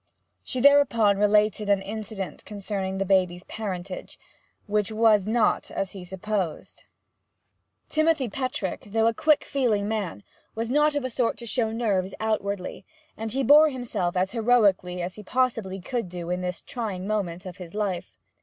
She thereupon related an incident concerning the baby's parentage, which was not as he supposed. Timothy Petrick, though a quick feeling man, was not of a sort to show nerves outwardly; and he bore himself as heroically as he possibly could do in this trying moment of his life.